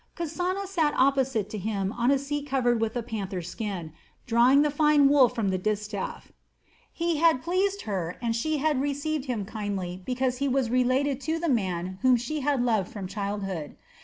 Kasana sat opposite to him on a seat covered with a panther skin, drawing the fine wool from the distaff. He had pleased her and she had received him kindly because he was related to the man whom she had loved from childhood.